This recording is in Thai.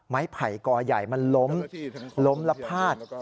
ไผ่กอใหญ่มันล้มล้มแล้วพาด